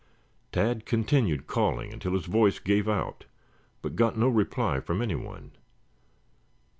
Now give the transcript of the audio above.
Tad continued calling until his voice gave out, but got no reply from anyone.